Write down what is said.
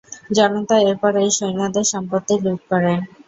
জনতা এরপর এই সৈন্যদের সম্পত্তি লুঠ করে।